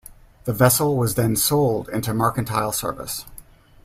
The vessel was then sold into mercantile service.